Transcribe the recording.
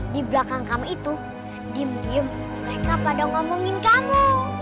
di belakang kamu itu diem diem mereka pada ngomongin kamu